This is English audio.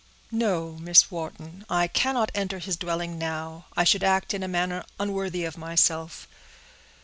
"No, Miss Wharton, I cannot enter his dwelling now; I should act in a manner unworthy of myself.